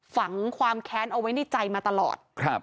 ฝังความแค้นเอาไว้ในใจมาตลอด